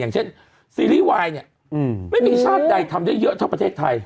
อย่างเช่นซีรีส์วายเนี่ยไม่มีชาติใดทำได้เยอะเท่าประเทศไทย